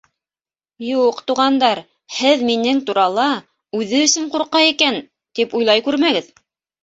— Юҡ, туғандар, һеҙ минең турала, үҙе өсөн ҡурҡа икән, тип уйлай күрмәгеҙ.